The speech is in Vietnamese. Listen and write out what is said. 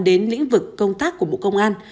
đến lĩnh vực công tác của bộ công an